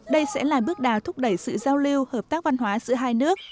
đây sẽ là bước đà thúc đẩy sự giao lưu hợp tác văn hóa giữa hai nước